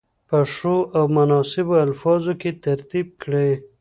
په ښو او مناسبو الفاظو کې ترتیب کړي.